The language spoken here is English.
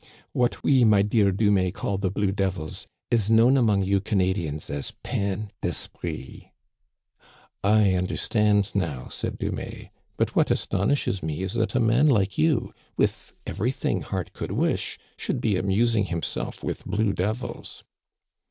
" What we, my dear Dumais, call the blue devils is known among you Canadians as ^ peine (Vesprit* "" I understand now," said Dumais, " but what aston ishes me is that a man like you, with everything heart could wish, should be amusing himself with blue devils."